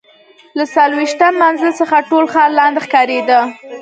له څلوېښتم منزل څخه ټول ښار لاندې ښکارېده.